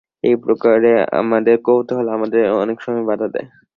এই প্রকারে আমাদের কৌতূহল আমাদের অনেক সময় বাধা দেয়।